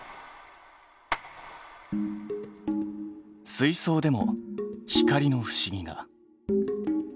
水槽でも光の不思議が。